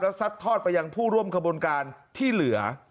ซัดทอดไปยังผู้ร่วมขบวนการที่เหลือ